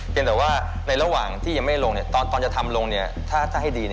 เป็นแต่ว่าในระหว่างที่ยังไม่ลงตอนจะทำลงถ้าให้ดี